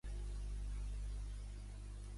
El cognom és Negrin: ena, e, ge, erra, i, ena.